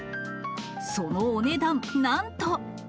そのお値段、なんと。